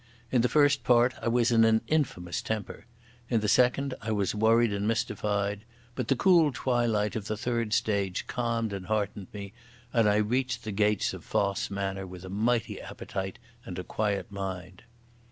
In the first part I was in an infamous temper; in the second I was worried and mystified; but the cool twilight of the third stage calmed and heartened me, and I reached the gates of Fosse Manor with a mighty appetite and a quiet mind.